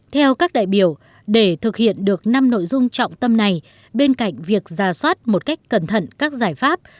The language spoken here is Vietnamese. theo các đại biểu để thực hiện được năm nội dung trọng tâm này bên cạnh việc ra soát một cách cẩn thận các giải pháp